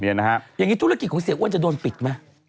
อย่างนี้ธุรกิจของเสียอ้วนจะโดนปิดไหม